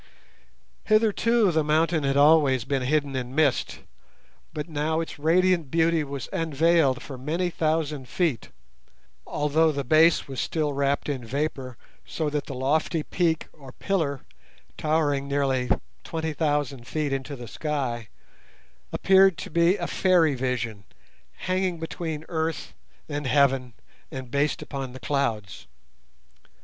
Hitherto the mountain had always been hidden in mist, but now its radiant beauty was unveiled for many thousand feet, although the base was still wrapped in vapour so that the lofty peak or pillar, towering nearly twenty thousand feet into the sky, appeared to be a fairy vision, hanging between earth and heaven, and based upon the clouds.